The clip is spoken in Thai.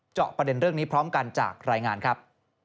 เจาะประเด็นเรื่องนี้พร้อมกันจากรายงานครับ